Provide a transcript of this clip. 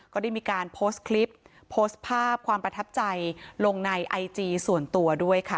ก็ได้มีการโพสต์คลิปโพสต์ภาพความประทับใจลงในไอจีส่วนตัวด้วยค่ะ